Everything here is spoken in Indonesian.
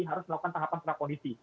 harus melakukan tahapan prakondisi